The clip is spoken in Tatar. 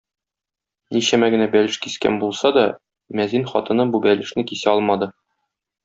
Ничәмә генә бәлеш кискән булса да, мәзин хатыны бу бәлешне кисә алмады.